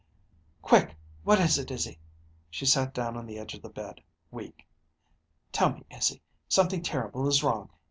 "Quick! What is it, Izzy?" She sat down on the edge of the bed, weak. "Tell me, Izzy; something terrible is wrong.